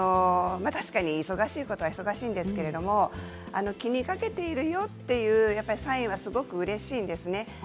確かに忙しいことは忙しいんですけど気にかけているよというサインはすごくうれしいんですね。